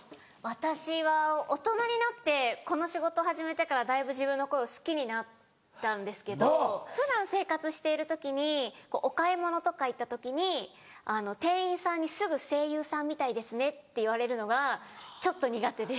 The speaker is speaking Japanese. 私は大人になってこの仕事始めてからだいぶ自分の声を好きになったんですけど普段生活している時にお買い物とか行った時に店員さんにすぐ「声優さんみたいですね」って言われるのがちょっと苦手です。